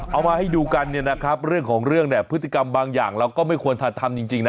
เอามาให้ดูกันเนี่ยนะครับเรื่องของเรื่องเนี่ยพฤติกรรมบางอย่างเราก็ไม่ควรทำจริงนะ